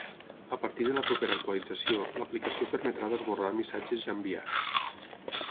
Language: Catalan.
A partir de la propera actualització, l’aplicació permetrà d’esborrar missatges ja enviats.